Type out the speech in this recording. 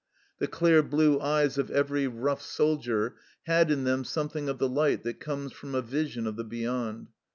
The clear blue eyes of every rough soldier had in them something of the light that comes from a vision of the beyond.